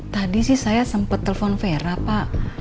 tadi sih saya sempet telepon fira pak